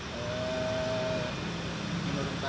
menurunkan kadar gula darah